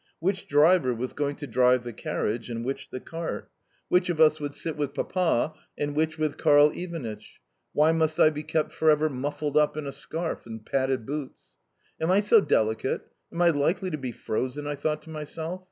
Which driver was going to drive the carriage and which the cart? Which of us would sit with Papa, and which with Karl Ivanitch? Why must I be kept forever muffled up in a scarf and padded boots? "Am I so delicate? Am I likely to be frozen?" I thought to myself.